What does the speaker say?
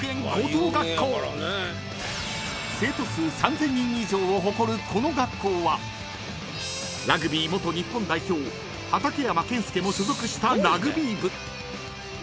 ［生徒数３，０００人以上を誇るこの学校はラグビー元日本代表畠山健介も所属したラグビー部］